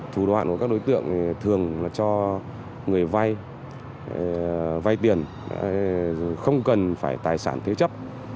thủ đoạn của các đối tượng thường là cho người vay tiền không cần phải tài sản thế chấp